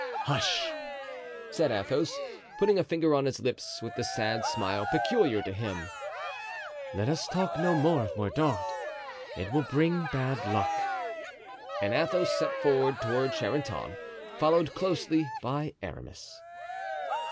"Hush!" said Athos, putting a finger on his lips, with the sad smile peculiar to him; "let us talk no more of Mordaunt—it will bring bad luck." And Athos set forward toward Charenton, followed closely by Aramis.